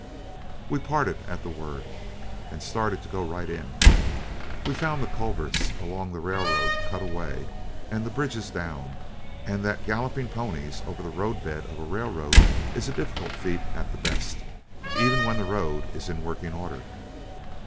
We parted at the word and started to go right in. We found the culverts along the railroad cut away and the bridges down, and that galloping ponies over the roadbed of a railroad is a difficult feat at the best, even when the road is in working order.